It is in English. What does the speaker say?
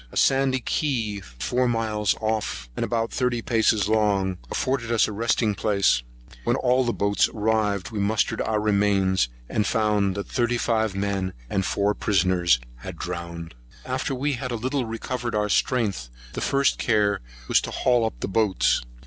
A sandy key, four miles off, and about thirty paces long, afforded us a resting place; and when all the boats arrived, we mustered our remains, and found that thirty five men and four prisoners were drowned. After we had a little recovered our strength, the first care was to haul up the boats.